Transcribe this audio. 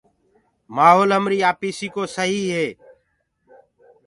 مآهولَ همريٚ آپيٚسيٚ ڪو سهيٚ هي